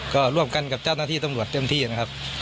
ก็ร่วมกันกับเจ้าหน้าที่ตำรวจเต็มที่นะครับ